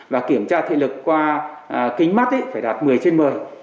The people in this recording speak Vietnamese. và kiểm tra thị lực qua kính mắt phải đạt một mươi trên một mươi